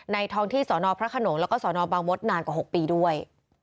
ในทองที่สอนอพระขนงและสอนอบางมศนานกว่า๖ปีด้วย